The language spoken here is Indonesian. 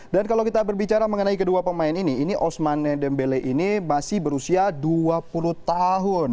dan kalau kita berbicara mengenai kedua pemain ini ini osman dembele ini masih berusia dua puluh tahun